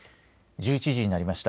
１１時になりました。